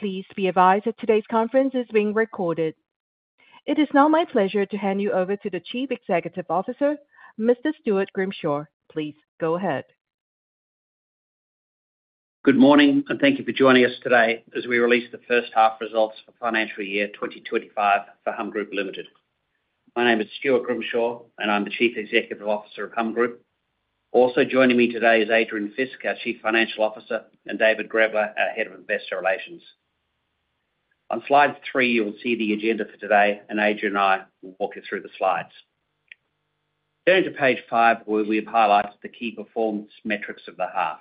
Please be advised that today's conference is being recorded. It is now my pleasure to hand you over to the Chief Executive Officer, Mr. Stuart Grimshaw. Please go ahead. Good morning, and thank you for joining us today as we release the first half results for financial year Humm Group Limited. my name is Stuart Grimshaw, and I'm the Chief Executive Humm Group. also joining me today is Adrian Fisk, our Chief Financial Officer, and David Grevler, our Head of Investor Relations. On slide three, you will see the agenda for today, and Adrian and I will walk you through the slides. Turning to page five, where we have highlighted the key performance metrics of the half.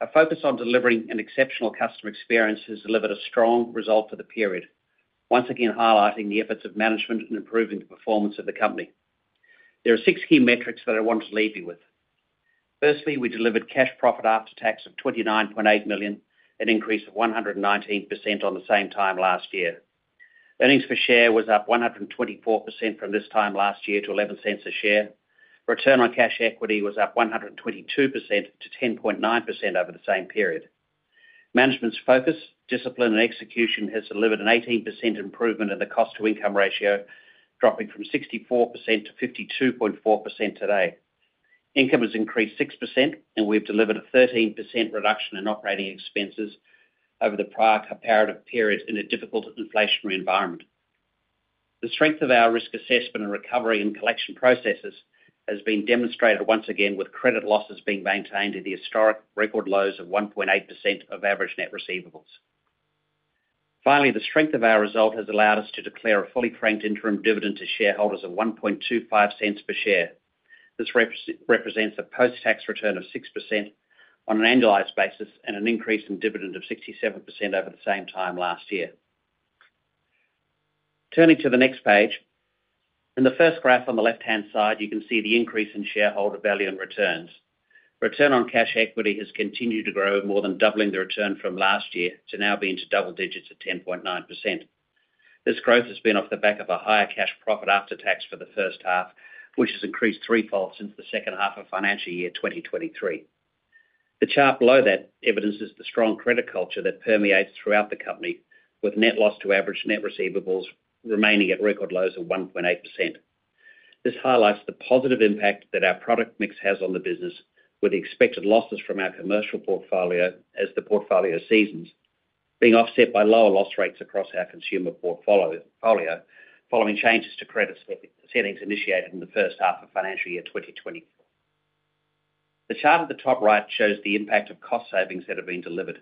Our focus on delivering an exceptional customer experience has delivered a strong result for the period, once again highlighting the efforts of management in improving the performance of the company. There are six key metrics that I wanted to leave you with. Firstly, we delivered cash profit after tax of 29.8 million, an increase of 119% on the same time last year. Earnings per share was up 124% from this time last year to 0.11 a share. Return on cash equity was up 122% to 10.9% over the same period. Management's focus, discipline, and execution have delivered an 18% improvement in the cost-to-income ratio, dropping from 64%-52.4% today. Income has increased 6%, and we've delivered a 13% reduction in operating expenses over the prior comparative period in a difficult inflationary environment. The strength of our risk assessment and recovery and collection processes has been demonstrated once again with credit losses being maintained at the historic record lows of 1.8% of average net receivables. Finally, the strength of our result has allowed us to declare a fully franked interim dividend to shareholders of 1.25 per share. This represents a post-tax return of 6% on an annualized basis and an increase in dividend of 67% over the same time last year. Turning to the next page, in the first graph on the left-hand side, you can see the increase in shareholder value and returns. Return on cash equity has continued to grow, more than doubling the return from last year to now being to double digits at 10.9%. This growth has been off the back of a higher cash profit after tax for the first half, which has increased threefold since the second half of financial year 2023. The chart below that evidences the strong credit culture that permeates throughout the company, with net loss to average net receivables remaining at record lows of 1.8%. This highlights the positive impact that our product mix has on the business, with the expected losses from our commercial portfolio as the portfolio seasons, being offset by lower loss rates across our consumer portfolio following changes to credit settings initiated in the first half of financial year 2024. The chart at the top right shows the impact of cost savings that have been delivered.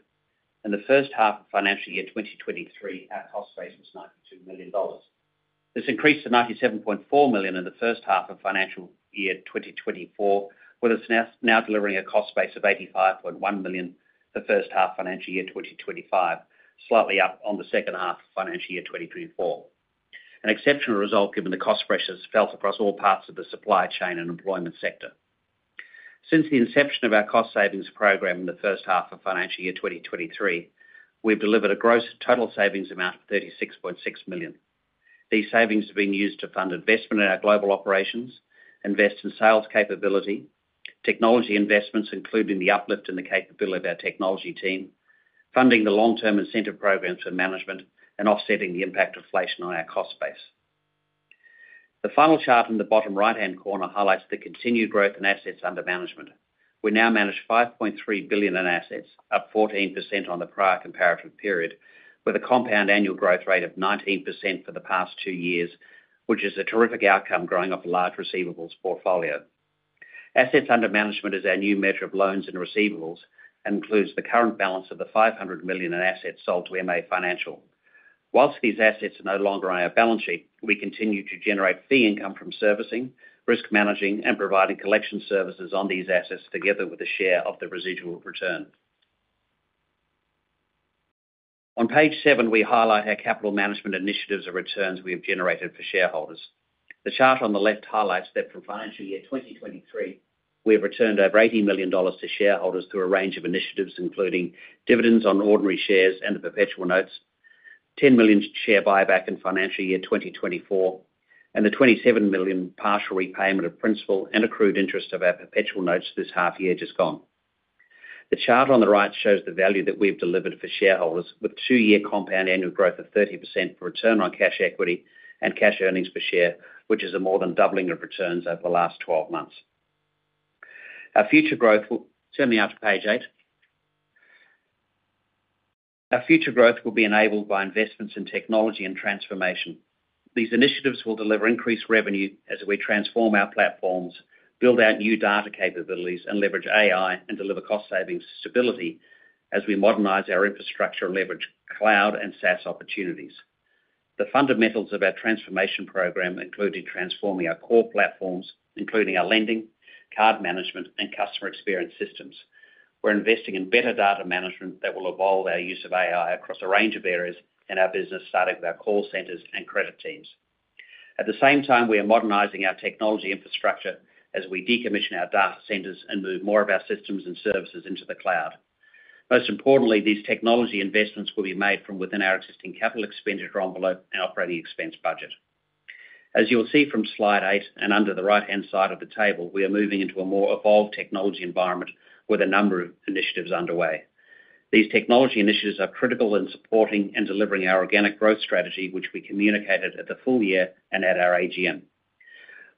In the first half of financial year 2023, our cost base was 92 million dollars. This increased to 97.4 million in the first half of financial year 2024, with us now delivering a cost base of 85.1 million for the first half of financial year 2025, slightly up on the second half of financial year 2024. An exceptional result given the cost pressures felt across all parts of the supply chain and employment sector. Since the inception of our cost savings program in the first half of financial year 2023, we've delivered a gross total savings amount of 36.6 million. These savings have been used to fund investment in our global operations, invest in sales capability, technology investments, including the uplift in the capability of our technology team, funding the long-term incentive programs for management, and offsetting the impact of inflation on our cost base. The final chart in the bottom right-hand corner highlights the continued growth in assets under management. We now manage 5.3 billion in assets, up 14% on the prior comparative period, with a compound annual growth rate of 19% for the past two years, which is a terrific outcome growing off a large receivables portfolio. Assets under management is our new measure of loans and receivables and includes the current balance of the 500 million in assets sold to MA Financial. Whilst these assets are no longer on our balance sheet, we continue to generate fee income from servicing, risk managing, and providing collection services on these assets together with a share of the residual return. On page seven, we highlight our capital management initiatives and returns we have generated for shareholders. The chart on the left highlights that from financial year 2023, we have returned over AUD 80 million to shareholders through a range of initiatives, including dividends on ordinary shares and the perpetual notes, 10 million share buyback in financial year 2024, and the 27 million partial repayment of principal and accrued interest of our perpetual notes this half year just gone. The chart on the right shows the value that we've delivered for shareholders, with two-year compound annual growth of 30% for return on cash equity and cash earnings per share, which is a more than doubling of returns over the last 12 months. Our future growth will—turn me out to page eight. Our future growth will be enabled by investments in technology and transformation. These initiatives will deliver increased revenue as we transform our platforms, build out new data capabilities, and leverage AI and deliver cost savings stability as we modernize our infrastructure and leverage cloud and SaaS opportunities. The fundamentals of our transformation program include transforming our core platforms, including our lending, card management, and customer experience systems. We're investing in better data management that will evolve our use of AI across a range of areas in our business, starting with our call centers and credit teams. At the same time, we are modernizing our technology infrastructure as we decommission our data centers and move more of our systems and services into the cloud. Most importantly, these technology investments will be made from within our existing capital expenditure envelope and operating expense budget. As you'll see from slide eight and under the right-hand side of the table, we are moving into a more evolved technology environment with a number of initiatives underway. These technology initiatives are critical in supporting and delivering our organic growth strategy, which we communicated at the full year and at our AGM.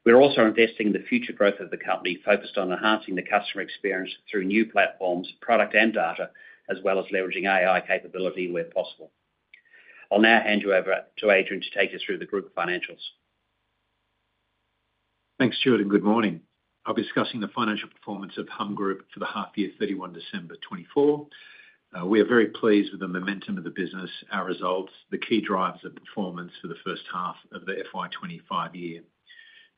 We're also investing in the future growth of the company, focused on enhancing the customer experience through new platforms, product, and data, as well as leveraging AI capability where possible. I'll now hand you over to Adrian to take us through the group financials. Thanks, Stuart, and good morning. I'll be discussing the financial Humm Group for the half year, 31 December 2024. We are very pleased with the momentum of the business, our results, the key drivers of performance for the first half of the FY 2025 year.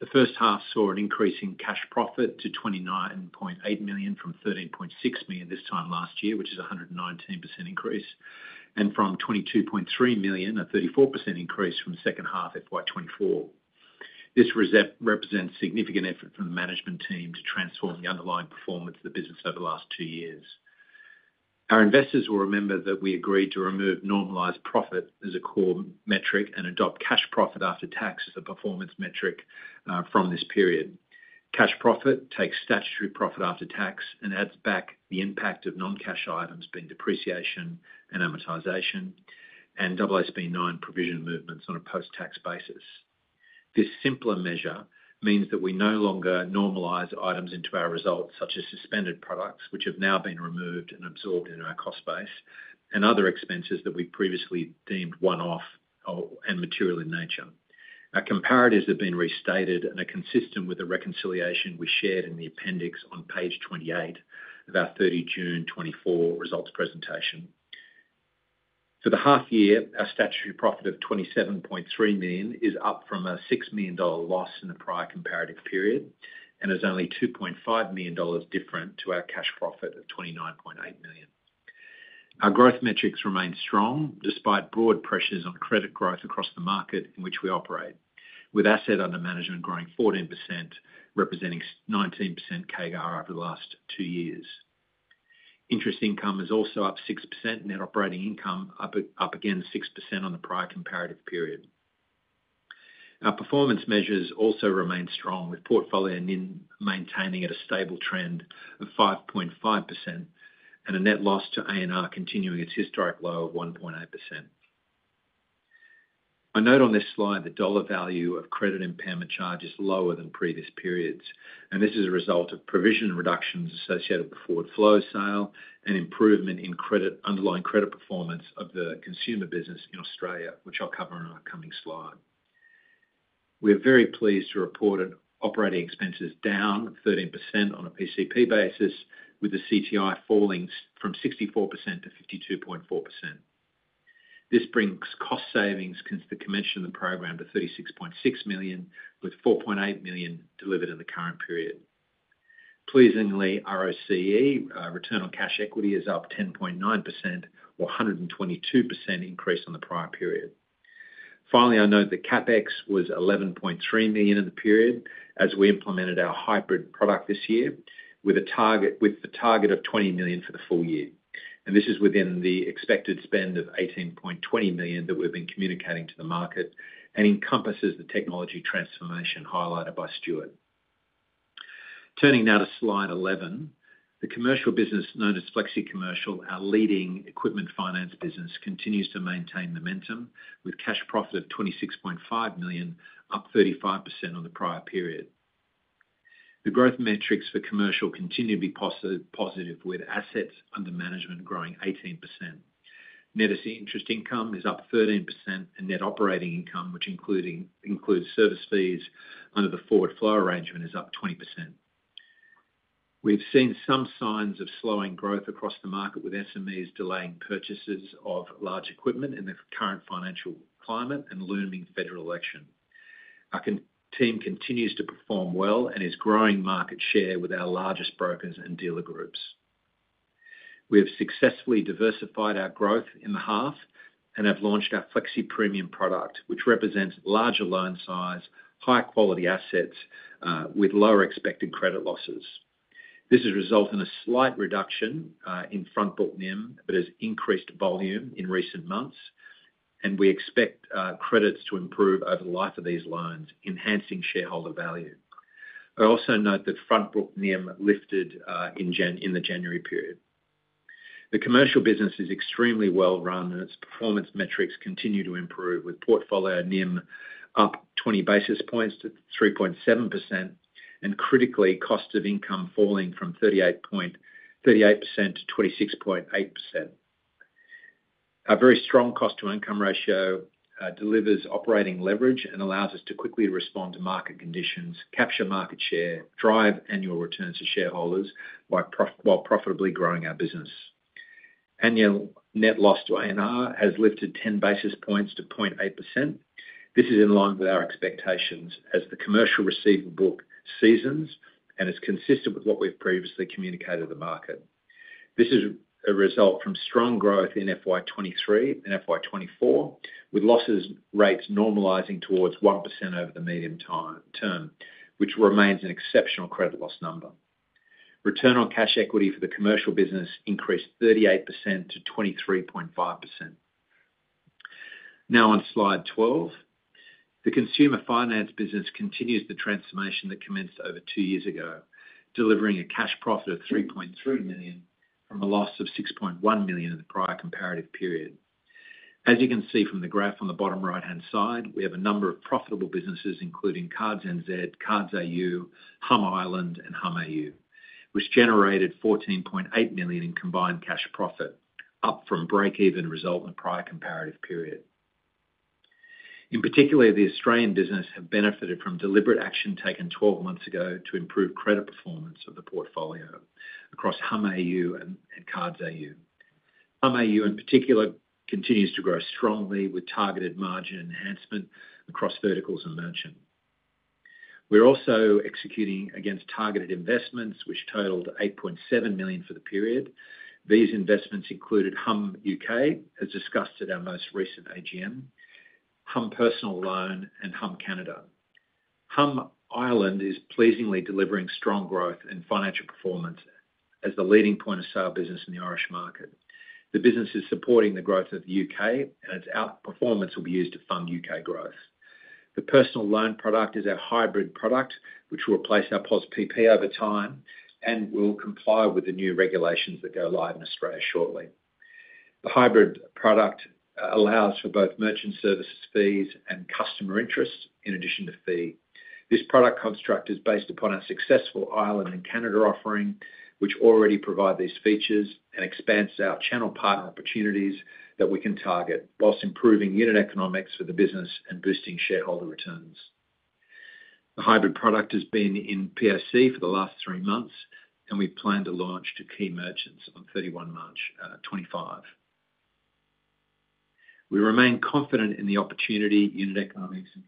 The first half saw an increase in cash profit to 29.8 million from 13.6 million this time last year, which is a 119% increase, and from 22.3 million, a 34% increase from the second half, FY 2024. This represents significant effort from the management team to transform the underlying performance of the business over the last two years. Our investors will remember that we agreed to remove normalized profit as a core metric and adopt cash profit after tax as a performance metric from this period. Cash profit takes statutory profit after tax and adds back the impact of non-cash items being depreciation and amortization and AASB 9 provision movements on a post-tax basis. This simpler measure means that we no longer normalize items into our results, such as suspended products, which have now been removed and absorbed into our cost base, and other expenses that we previously deemed one-off and material in nature. Our comparatives have been restated and are consistent with the reconciliation we shared in the appendix on page 28 of our 30 June 2024 results presentation. For the half year, our statutory profit of 27.3 million is up from an 6 million dollar loss in the prior comparative period and is only 2.5 million dollars different to our cash profit of 29.8 million. Our growth metrics remain strong despite broad pressures on credit growth across the market in which we operate, with assets under management growing 14%, representing 19% CAGR over the last two years. Interest income is also up 6%, net operating income up again 6% on the prior comparative period. Our performance measures also remain strong, with portfolio maintaining at a stable trend of 5.5% and a net loss to ANR continuing its historic low of 1.8%. I note on this slide the dollar value of credit impairment charge is lower than previous periods, and this is a result of provision reductions associated with the forward flow sale and improvement in underlying credit performance of the consumer business in Australia, which I'll cover on our upcoming slide. We are very pleased to report operating expenses down 13% on a PCP basis, with the CTI falling from 64% to 52.4%. This brings cost savings since the commission of the program to 36.6 million, with 4.8 million delivered in the current period. Pleasingly, ROCE, return on cash equity, is up 10.9%, or a 122% increase on the prior period. Finally, I note that CapEx was 11.3 million in the period as we implemented our hybrid product this year, with the target of 20 million for the full year. This is within the expected spend of 18.20 million that we've been communicating to the market and encompasses the technology transformation highlighted by Stuart. Turning now to slide 11, the commercial business known as FlexiCommercial, our leading equipment finance business, continues to maintain momentum with cash profit of 26.5 million, up 35% on the prior period. The growth metrics for commercial continue to be positive, with assets under management growing 18%. Net interest income is up 13%, and net operating income, which includes service fees under the forward flow arrangement, is up 20%. We've seen some signs of slowing growth across the market, with SMEs delaying purchases of large equipment in the current financial climate and looming federal election. Our team continues to perform well and is growing market share with our largest brokers and dealer groups. We have successfully diversified our growth in the half and have launched our FlexiPremium product, which represents larger loan size, high-quality assets with lower expected credit losses. This has resulted in a slight reduction in front-book NIM, but has increased volume in recent months, and we expect credits to improve over the life of these loans, enhancing shareholder value. I also note that front-book NIM lifted in the January period. The commercial business is extremely well run, and its performance metrics continue to improve, with portfolio NIM up 20 basis points to 3.7% and, critically, cost-to-income falling from 38% to 26.8%. Our very strong cost-to-income ratio delivers operating leverage and allows us to quickly respond to market conditions, capture market share, drive annual returns to shareholders while profitably growing our business. Annual net loss to ANR has lifted 10 basis points to 0.8%. This is in line with our expectations as the commercial receivable seasons and is consistent with what we've previously communicated to the market. This is a result from strong growth in FY 2023 and FY 2024, with losses rates normalizing towards 1% over the medium term, which remains an exceptional credit loss number. Return on cash equity for the commercial business increased 38% to 23.5%. Now on slide 12, the consumer finance business continues the transformation that commenced over two years ago, delivering a cash profit of 3.3 million from a loss of 6.1 million in the prior comparative period. As you can see from the graph on the bottom right-hand side, we have a number of profitable businesses, including Cards NZ, Cards AU, Humm Ireland, and Humm AU, which generated 14.8 million in combined cash profit, up from break-even result in the prior comparative period. In particular, the Australian business has benefited from deliberate action taken 12 months ago to improve credit performance of the portfolio across Humm AU and Cards AU. Humm AU, in particular, continues to grow strongly with targeted margin enhancement across verticals and merchant. We're also executing against targeted investments, which totaled 8.7 million for the period. These investments included Humm U.K., as discussed at our most recent AGM, Humm Personal Loan, and Humm Canada. Humm Ireland is pleasingly delivering strong growth in financial performance as the leading point of sale business in the Irish market. The business is supporting the growth of the U.K., and its outperformance will be used to fund U.K. growth. The Personal Loan product is a hybrid product which will replace our PosPP over time and will comply with the new regulations that go live in Australia shortly. The hybrid product allows for both merchant services fees and customer interest in addition to fee. This product construct is based upon our successful Ireland and Canada offering, which already provide these features and expands our channel partner opportunities that we can target, whilst improving unit economics for the business and boosting shareholder returns. The hybrid product has been in POC for the last three months, and we plan to launch to key merchants on 31 March 2025. We remain confident in the opportunity, unit economics, and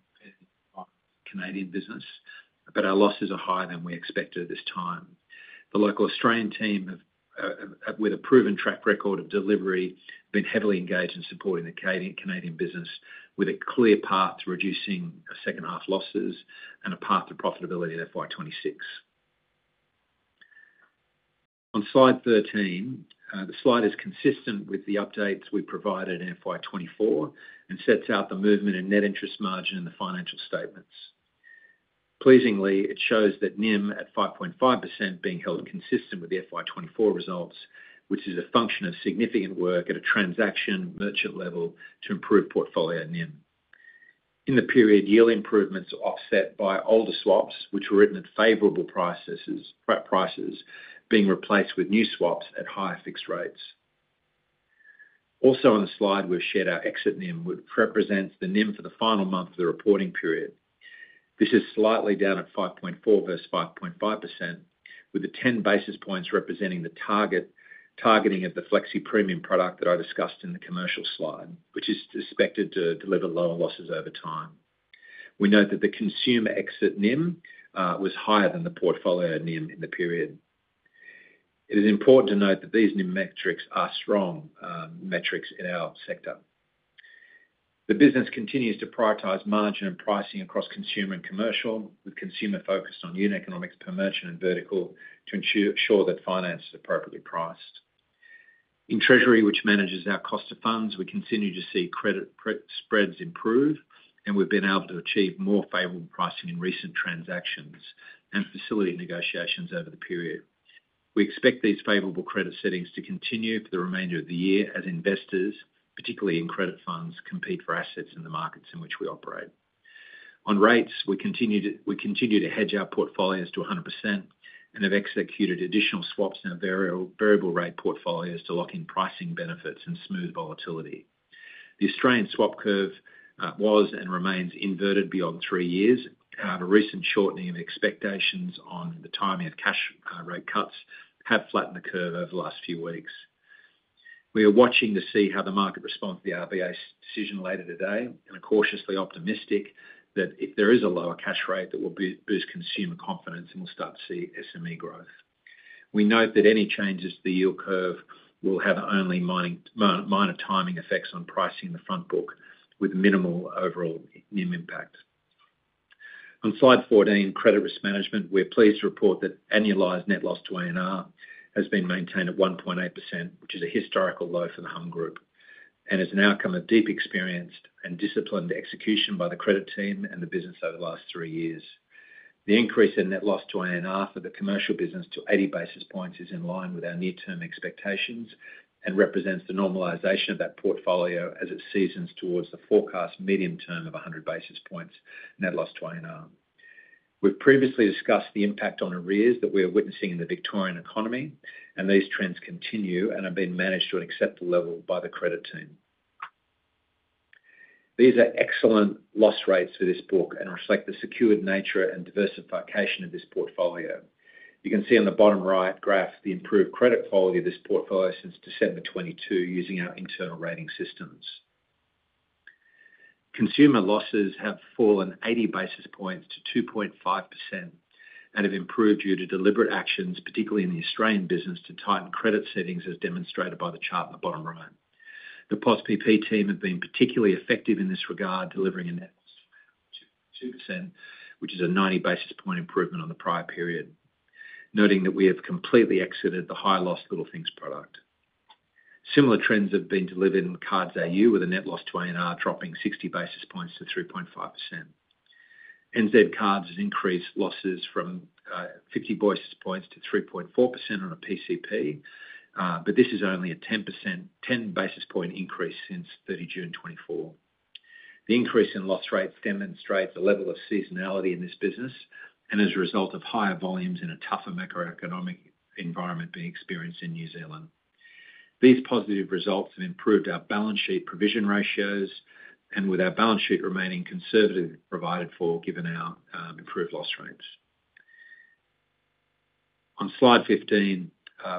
Canadian business, but our losses are higher than we expected at this time. The local Australian team, with a proven track record of delivery, have been heavily engaged in supporting the Canadian business, with a clear path to reducing second-half losses and a path to profitability in FY 2026. On slide 13, the slide is consistent with the updates we provided in FY 2024 and sets out the movement in net interest margin in the financial statements. Pleasingly, it shows that NIM at 5.5% being held consistent with the FY 2024 results, which is a function of significant work at a transaction merchant level to improve portfolio NIM. In the period, yield improvements offset by older swaps, which were written at favorable prices, being replaced with new swaps at higher fixed rates. Also, on the slide, we've shared our exit NIM, which represents the NIM for the final month of the reporting period. This is slightly down at 5.4% versus 5.5%, with the 10 basis points representing the targeting of the FlexiPremium product that I discussed in the commercial slide, which is expected to deliver lower losses over time. We note that the consumer exit NIM was higher than the portfolio NIM in the period. It is important to note that these NIM metrics are strong metrics in our sector. The business continues to prioritize margin and pricing across consumer and commercial, with consumer focused on unit economics per merchant and vertical to ensure that finance is appropriately priced. In Treasury, which manages our cost of funds, we continue to see credit spreads improve, and we've been able to achieve more favorable pricing in recent transactions and facilitate negotiations over the period. We expect these favorable credit settings to continue for the remainder of the year as investors, particularly in credit funds, compete for assets in the markets in which we operate. On rates, we continue to hedge our portfolios to 100% and have executed additional swaps in our variable-rate portfolios to lock in pricing benefits and smooth volatility. The Australian swap curve was and remains inverted beyond three years. However, recent shortening of expectations on the timing of cash rate cuts have flattened the curve over the last few weeks. We are watching to see how the market responds to the RBA's decision later today and are cautiously optimistic that if there is a lower cash rate, that will boost consumer confidence and we'll start to see SME growth. We note that any changes to the yield curve will have only minor timing effects on pricing in the front book, with minimal overall NIM impact. On slide 14, credit risk management, we're pleased to report that annualized net loss to ANR has been maintained at 1.8%, which is a historical low Humm Group, and is an outcome of deep experience and disciplined execution by the credit team and the business over the last three years. The increase in net loss to ANR for the commercial business to 80 basis points is in line with our near-term expectations and represents the normalization of that portfolio as it seasons towards the forecast medium term of 100 basis points net loss to ANR. We have previously discussed the impact on arrears that we are witnessing in the Victorian economy, and these trends continue and have been managed to an acceptable level by the credit team. These are excellent loss rates for this book and reflect the secured nature and diversification of this portfolio. You can see on the bottom right graph the improved credit quality of this portfolio since December 2022 using our internal rating systems. Consumer losses have fallen 80 basis points to 2.5% and have improved due to deliberate actions, particularly in the Australian business, to tighten credit settings as demonstrated by the chart on the bottom right. The POSPP team have been particularly effective in this regard, delivering a net loss of 2%, which is a 90 basis point improvement on the prior period, noting that we have completely exited the high-loss Little Things product. Similar trends have been delivered in Cards AU, with a net loss to ANR dropping 60 basis points to 3.5%. NZ Cards has increased losses from 50 basis points to 3.4% on a PCP, but this is only a 10 basis point increase since 30 June 2024. The increase in loss rates demonstrates a level of seasonality in this business and as a result of higher volumes and a tougher macroeconomic environment being experienced in New Zealand. These positive results have improved our balance sheet provision ratios, and with our balance sheet remaining conservative provided for, given our improved loss rates. On slide 15,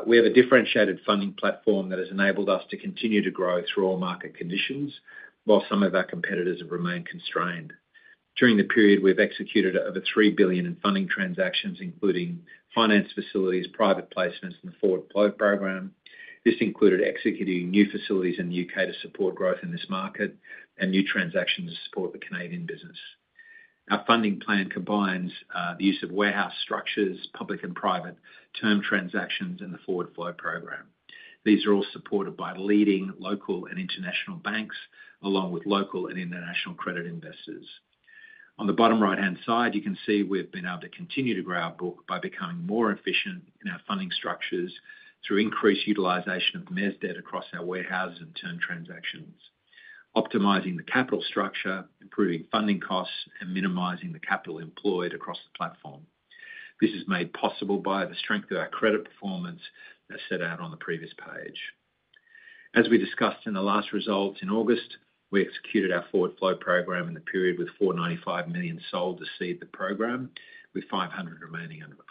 we have a differentiated funding platform that has enabled us to continue to grow through all market conditions, while some of our competitors have remained constrained. During the period, we've executed over 3 billion in funding transactions, including finance facilities, private placements, and the forward flow program. This included executing new facilities in the U.K. to support growth in this market and new transactions to support the Canadian business. Our funding plan combines the use of warehouse structures, public and private, term transactions, and the forward flow program. These are all supported by leading local and international banks, along with local and international credit investors. On the bottom right-hand side, you can see we've been able to continue to grow our book by becoming more efficient in our funding structures through increased utilization of mezz across our warehouses and term transactions, optimizing the capital structure, improving funding costs, and minimizing the capital employed across the platform. This is made possible by the strength of our credit performance that's set out on the previous page. As we discussed in the last results in August, we executed our forward flow program in the period with 495 million sold to seed the program, with 500 million remaining under the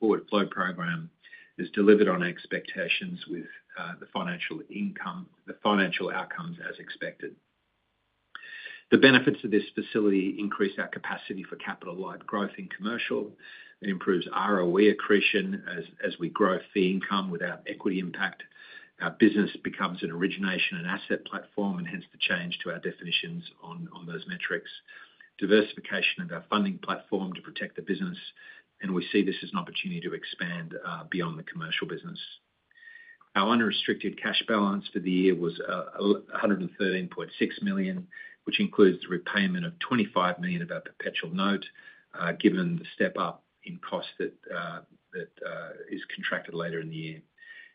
forward flow program. It's delivered on expectations with the financial outcomes as expected. The benefits of this facility increase our capacity for capital-like growth in commercial. It improves ROE accretion as we grow fee income without equity impact. Our business becomes an origination and asset platform, and hence the change to our definitions on those metrics, diversification of our funding platform to protect the business, and we see this as an opportunity to expand beyond the commercial business. Our unrestricted cash balance for the year was 113.6 million, which includes the repayment of 25 million of our perpetual note, given the step-up in cost that is contracted later in the year.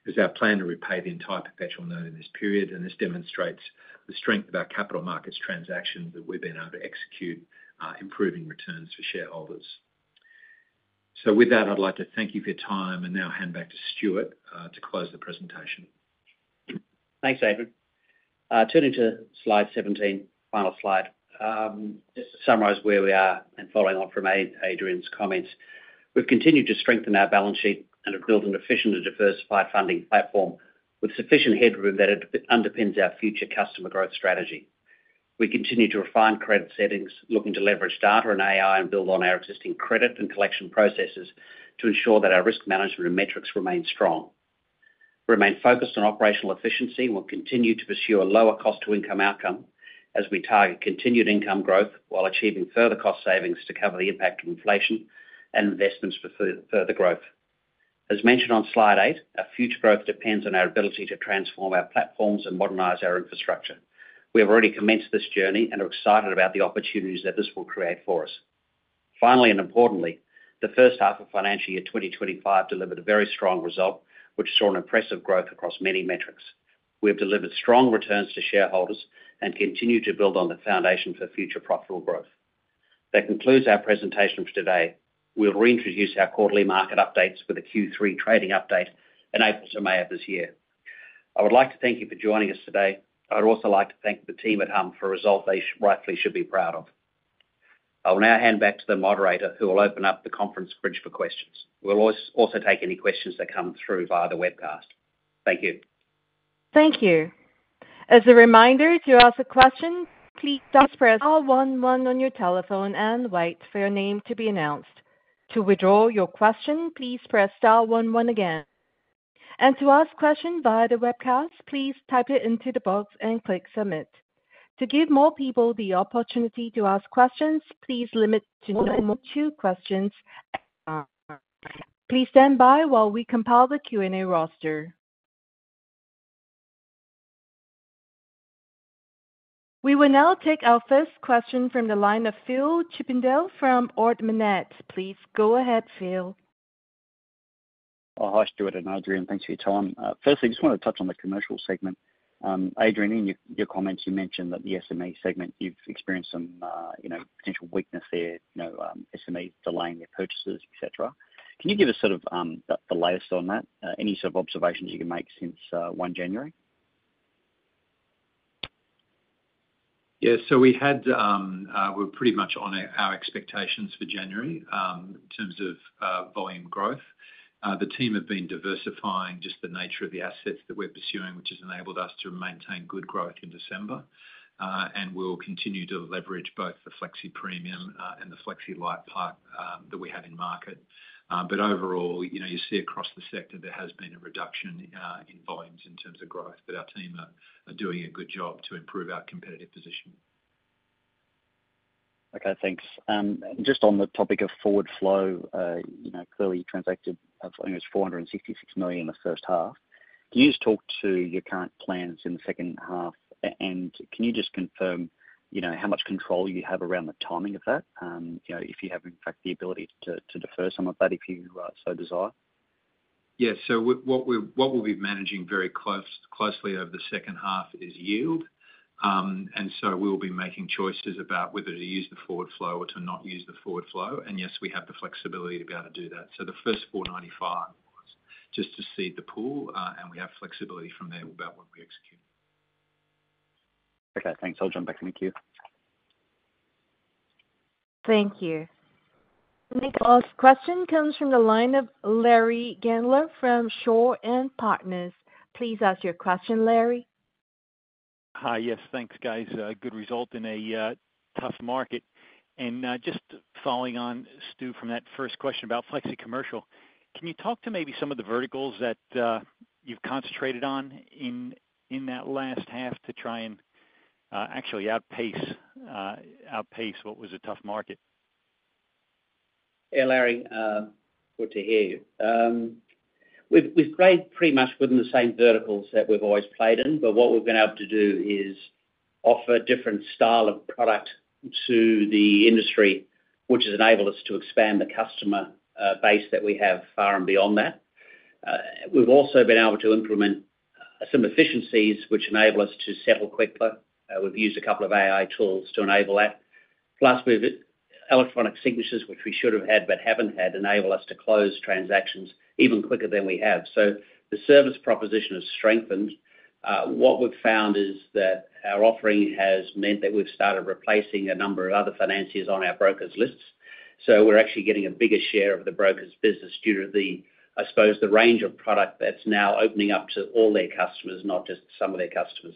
It is our plan to repay the entire perpetual note in this period, and this demonstrates the strength of our capital markets transactions that we've been able to execute, improving returns for shareholders. I would like to thank you for your time and now hand back to Stuart to close the presentation. Thanks, Adrian. Turning to slide 17, final slide, just to summarize where we are and following on from Adrian's comments. We've continued to strengthen our balance sheet and have built an efficient and diversified funding platform with sufficient headroom that underpins our future customer growth strategy. We continue to refine credit settings, looking to leverage data and AI and build on our existing credit and collection processes to ensure that our risk management and metrics remain strong. We remain focused on operational efficiency and will continue to pursue a lower cost-to-income outcome as we target continued income growth while achieving further cost savings to cover the impact of inflation and investments for further growth. As mentioned on slide eight, our future growth depends on our ability to transform our platforms and modernize our infrastructure. We have already commenced this journey and are excited about the opportunities that this will create for us. Finally, and importantly, the first half of financial year 2025 delivered a very strong result, which saw an impressive growth across many metrics. We have delivered strong returns to shareholders and continue to build on the foundation for future profitable growth. That concludes our presentation for today. We'll reintroduce our quarterly market updates with a Q3 trading update in April to May of this year. I would like to thank you for joining us today. I'd also like to thank the team at Humm for a result they rightfully should be proud of. I will now hand back to the moderator, who will open up the conference bridge for questions. We'll also take any questions that come through via the webcast. Thank you. Thank you. As a reminder, to ask a question, please press star one one on your telephone and wait for your name to be announced. To withdraw your question, please press star one one again. To ask a question via the webcast, please type it into the box and click submit. To give more people the opportunity to ask questions, please limit to no more than two questions. Please stand by while we compile the Q&A roster. We will now take our first question from the line of Phil Chippindale from Ord Minnett. Please go ahead, Phil. Oh, hi, Stuart and Adrian. Thanks for your time. Firstly, I just want to touch on the commercial segment. Adrian, in your comments, you mentioned that the SME segment, you've experienced some potential weakness there, SMEs delaying their purchases, etc. Can you give us sort of the latest on that? Any sort of observations you can make since 1 January? Yeah, so we had we were pretty much on our expectations for January in terms of volume growth. The team have been diversifying just the nature of the assets that we're pursuing, which has enabled us to maintain good growth in December, and we'll continue to leverage both the FlexiPremium and the FlexiLite part that we have in market. Overall, you see across the sector there has been a reduction in volumes in terms of growth, but our team are doing a good job to improve our competitive position. Okay, thanks. Just on the topic of forward flow, clearly you transacted I think it was 466 million in the first half. Can you just talk to your current plans in the second half? Can you just confirm how much control you have around the timing of that, if you have in fact the ability to defer some of that if you so desire? Yeah, what we'll be managing very closely over the second half is yield. We'll be making choices about whether to use the forward flow or to not use the forward flow. Yes, we have the flexibility to be able to do that. The first 495 million was just to seed the pool, and we have flexibility from there about what we execute. Okay, thanks. I'll jump back to Nick here. Thank you. The last question comes from the line of Larry Gandler from Shaw and Partners. Please ask your question, Larry. Hi, yes, thanks, guys. Good result in a tough market. Just following on, Stu, from that first question about FlexiCommercial, can you talk to maybe some of the verticals that you've concentrated on in that last half to try and actually outpace what was a tough market? Yeah, Larry, good to hear you. We've played pretty much within the same verticals that we've always played in, but what we've been able to do is offer a different style of product to the industry, which has enabled us to expand the customer base that we have far and beyond that. We've also been able to implement some efficiencies, which enable us to settle quickly. We've used a couple of AI tools to enable that. Plus, we've had electronic signatures, which we should have had but haven't had, enable us to close transactions even quicker than we have. The service proposition has strengthened. What we've found is that our offering has meant that we've started replacing a number of other financiers on our broker's lists. We're actually getting a bigger share of the broker's business due to the, I suppose, the range of product that's now opening up to all their customers, not just some of their customers.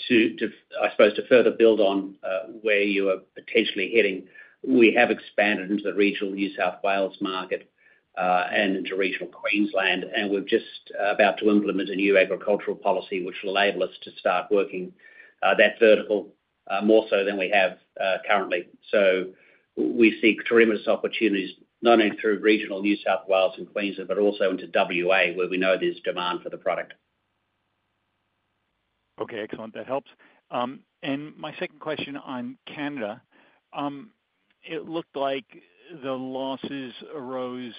I suppose to further build on where you are potentially heading, we have expanded into the regional New South Wales market and into regional Queensland, and we're just about to implement a new agricultural policy, which will enable us to start working that vertical more so than we have currently. We see tremendous opportunities, not only through regional New South Wales and Queensland, but also into Western Australia, where we know there's demand for the product. Okay, excellent. That helps. My second question on Canada, it looked like the losses arose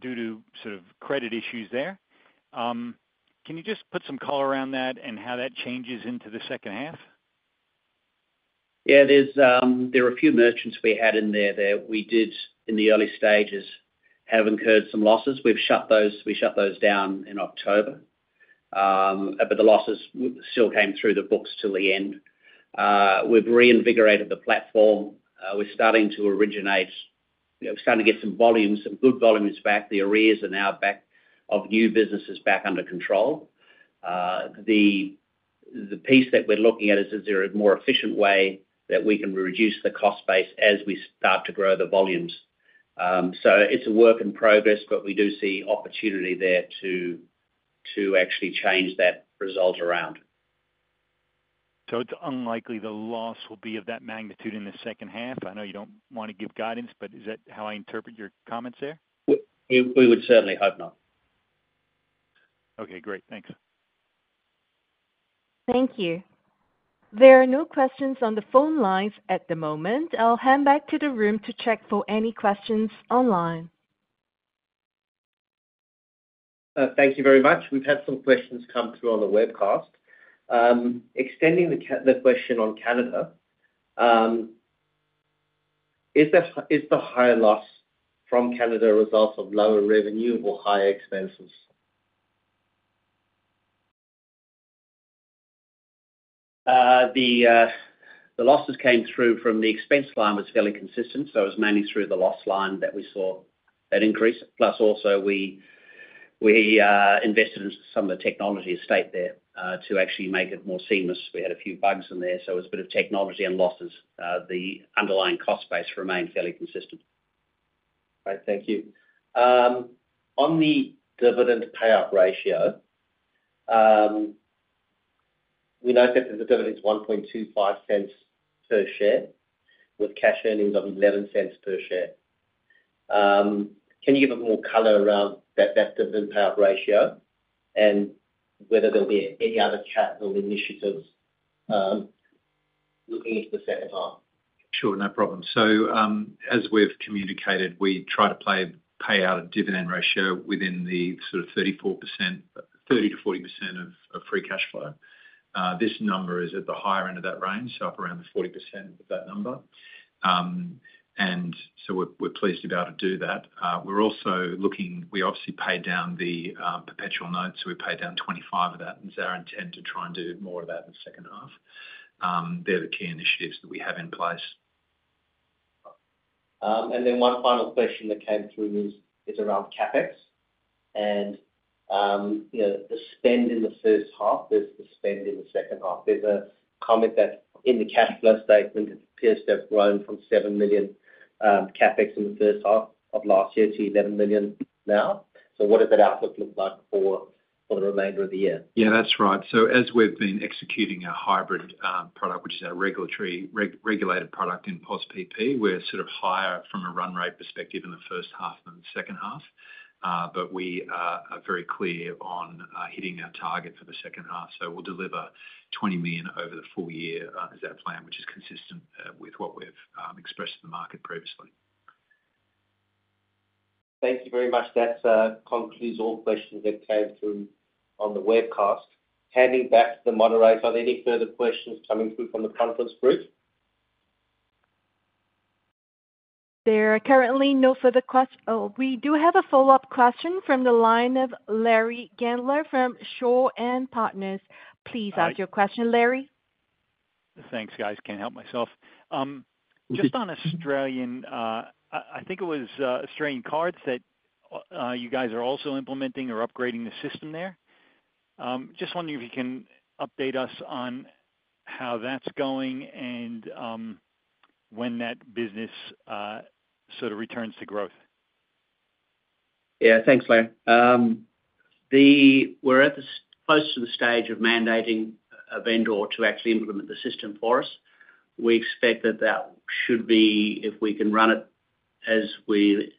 due to sort of credit issues there. Can you just put some color around that and how that changes into the second half? Yeah, there are a few merchants we had in there that we did in the early stages have incurred some losses. We've shut those down in October, but the losses still came through the books till the end. We've reinvigorated the platform. We're starting to originate, we're starting to get some volumes, some good volumes back. The arrears are now back, of new businesses back under control. The piece that we're looking at is is there a more efficient way that we can reduce the cost base as we start to grow the volumes. It is a work in progress, but we do see opportunity there to actually change that result around. It is unlikely the loss will be of that magnitude in the second half. I know you do not want to give guidance, but is that how I interpret your comments there? We would certainly hope not. Okay, great. Thanks. Thank you. There are no questions on the phone lines at the moment. I'll hand back to the room to check for any questions online. Thank you very much. We've had some questions come through on the webcast. Extending the question on Canada, is the higher loss from Canada a result of lower revenue or higher expenses? The losses came through from the expense line was fairly consistent, so it was mainly through the loss line that we saw that increase. Plus, also we invested in some of the technology estate there to actually make it more seamless. We had a few bugs in there, so it was a bit of technology and losses. The underlying cost base remained fairly consistent. Okay, thank you. On the dividend payout ratio, we know that the dividend is 0.0125 per share with cash earnings of 0.11 per share. Can you give a bit more color around that dividend payout ratio and whether there'll be any other capital initiatives looking into the second half? Sure, no problem. As we've communicated, we try to pay out a dividend ratio within the sort of 30-40% of free cash flow. This number is at the higher end of that range, so up around the 40% of that number. We're pleased to be able to do that. We're also looking, we obviously paid down the perpetual note, so we paid down 25 of that, and it's our intent to try and do more of that in the second half. They're the key initiatives that we have in place. One final question that came through is around CapEx. The spend in the first half versus the spend in the second half. There's a comment that in the cash flow statement, it appears to have grown from 7 million CapEx in the first half of last year to 11 million now. What does that outlook look like for the remainder of the year? Yeah, that's right. As we've been executing our hybrid product, which is our regulated product in POSPP, we're sort of higher from a run rate perspective in the first half than the second half. We are very clear on hitting our target for the second half. We'll deliver 20 million over the full year as our plan, which is consistent with what we've expressed to the market previously. Thank you very much. That concludes all questions that came through on the webcast. Handing back to the moderator, are there any further questions coming through from the conference group? There are currently no further questions. Oh, we do have a follow-up question from the line of Larry Gandler from Shaw and Partners. Please ask your question, Larry. Thanks, guys. Can't help myself. Just on Australian, I think it was Australian cards that you guys are also implementing or upgrading the system there. Just wondering if you can update us on how that's going and when that business sort of returns to growth. Yeah, thanks, Larry. We're close to the stage of mandating a vendor to actually implement the system for us. We expect that that should be, if we can run it as we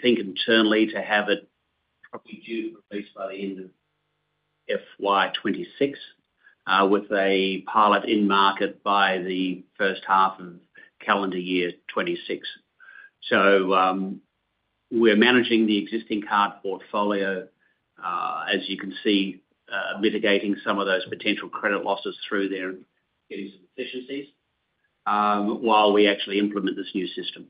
think internally, to have it probably due to release by the end of FY 2026, with a pilot in market by the first half of calendar year 2026. We're managing the existing card portfolio, as you can see, mitigating some of those potential credit losses through there and getting some efficiencies while we actually implement this new system.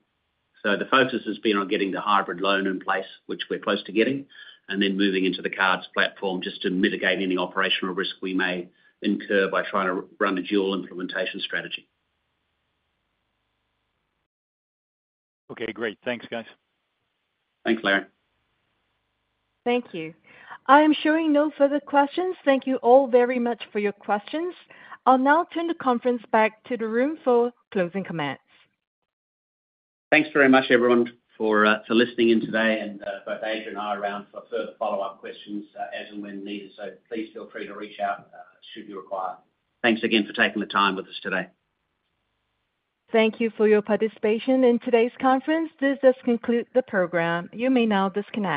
The focus has been on getting the hybrid loan in place, which we're close to getting, and then moving into the cards platform just to mitigate any operational risk we may incur by trying to run a dual implementation strategy. Okay, great. Thanks, guys. Thanks, Larry. Thank you. I am showing no further questions. Thank you all very much for your questions. I'll now turn the conference back to the room for closing comments. Thanks very much, everyone, for listening in today. Both Adrian and I are around for further follow-up questions as and when needed. Please feel free to reach out should you require. Thanks again for taking the time with us today. Thank you for your participation in today's conference. This does conclude the program. You may now disconnect.